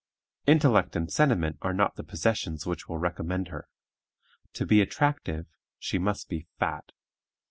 Intellect and sentiment are not the possessions which will recommend her: to be attractive, she must be fat.